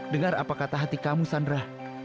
dengar apa kata hati kamu sandra